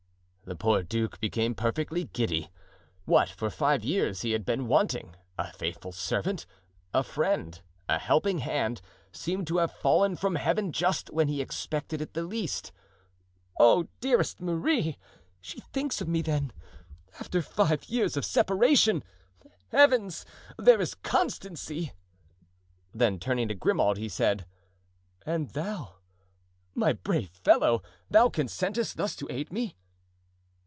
The poor duke became perfectly giddy. What for five years he had been wanting—a faithful servant, a friend, a helping hand—seemed to have fallen from Heaven just when he expected it the least. "Oh, dearest Marie! she thinks of me, then, after five years of separation! Heavens! there is constancy!" Then turning to Grimaud, he said: "And thou, my brave fellow, thou consentest thus to aid me?"